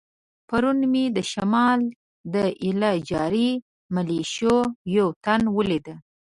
پرون مې د شمال د ایله جاري ملیشو یو تن ولید.